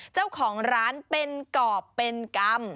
เจ้าของร้านเป็นกรอบเป็นกรรม